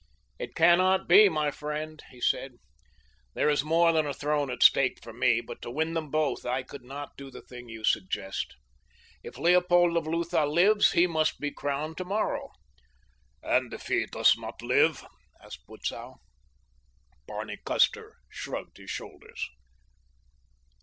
"It cannot be, my friend," he said. "There is more than a throne at stake for me, but to win them both I could not do the thing you suggest. If Leopold of Lutha lives he must be crowned tomorrow." "And if he does not live?" asked Butzow. Barney Custer shrugged his shoulders.